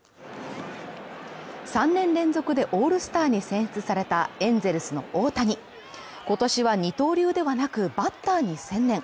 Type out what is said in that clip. ３年連続でオールスターに選出されたエンゼルスの大谷今年は二刀流ではなくバッターに専念。